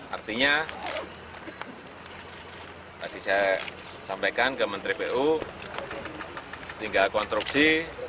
artinya tadi saya sampaikan ke menteri pu tinggal konstruksi